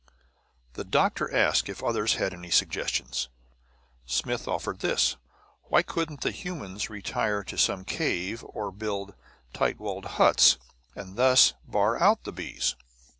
The doctor asked if the others had any suggestions. Smith offered this: why couldn't the humans retire to some cave, or build tight walled huts, and thus bar out the bees?